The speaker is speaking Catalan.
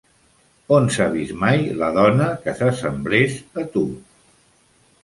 On s'ha vist mai la dona que s'assemblés a tu?